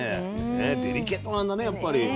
デリケートなんだねやっぱり。